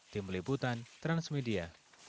tim liputan transmedia